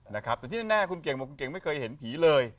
แต่ที่แน่คุณเก่งไม่เคยเห็นผีเลย